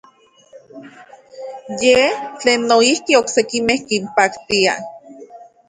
Yej tlen noijki oksekimej kinpaktia.